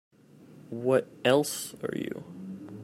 What else are you?